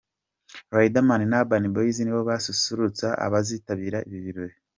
Riderman na Urban Boys nibo bazasusurutsa abazitabira ibi birori.